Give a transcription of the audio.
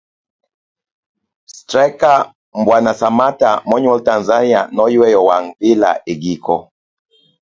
straika Mbwana Samatta monyuol Tanzania noyueyo wang' Villa e giko